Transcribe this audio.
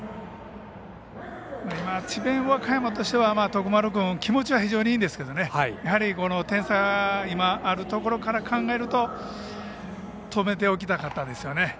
今、智弁和歌山としては徳丸君気持ちが非常にいいんですけど点差があるところから考えると止めておきたかったですよね。